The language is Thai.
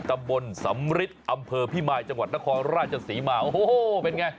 ตำบลสำริทอำเภอพิมายจังหวัดนครราชศรีมาโอ้โหเป็นไง